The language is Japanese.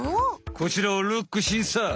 こちらをルックしんさい。